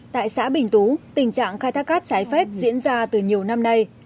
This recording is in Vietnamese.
tại xã bình tú tình trạng khai thác cát trái phép diễn ra từ nhiều năm nay